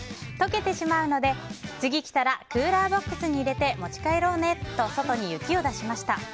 溶けてしまうので次来たらクーラーボックスに入れて持ち帰ろうねと外に出しました。